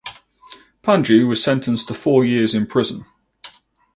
Panju was sentenced to four years in prison.